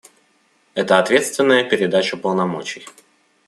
Это ответственная передача полномочий.